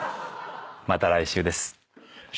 また来週です。